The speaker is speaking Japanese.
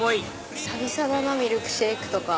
久々だなミルクシェイクとか。